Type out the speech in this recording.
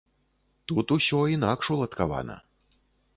Тут усё інакш уладкавана.